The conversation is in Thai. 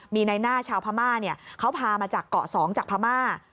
มีในหน้าชาวพม่าเขาพามาจากเกาะ๒จากพม่า